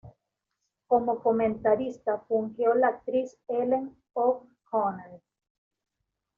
Como comentarista fungió la actriz Helen O'Connell.